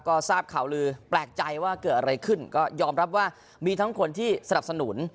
ก็ทราบข่าวลือแปลกใจว่าเกิดอะไรขึ้นก็ยอมรับว่ามีทั้งคนที่สนับสนุน